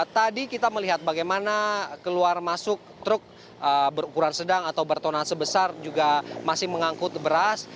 tadi kita melihat bagaimana keluar masuk truk berukuran sedang atau bertona sebesar juga masih mengangkut beras